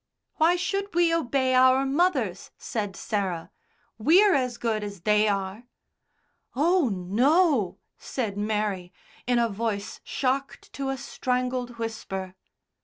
"Why should we obey our mothers?" said Sarah. "We're as good as they are." "Oh, no," said Mary, in a voice shocked to a strangled whisper.